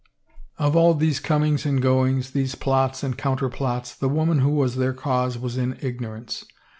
Of all these comings and goings, these plots and counter plots, the woman who was their cause was in ignorance.